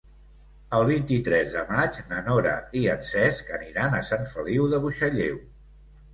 El vint-i-tres de maig na Nora i en Cesc aniran a Sant Feliu de Buixalleu.